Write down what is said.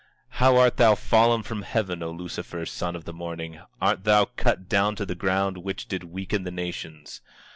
24:12 How art thou fallen from heaven, O Lucifer, son of the morning! Art thou cut down to the ground, which did weaken the nations!